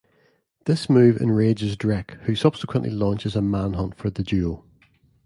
This move enrages Drek, who subsequently launches a manhunt for the duo.